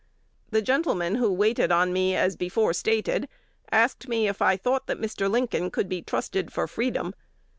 The gentlemen who waited on me as before stated asked me if I thought that Mr. Lincoln could be trusted for freedom.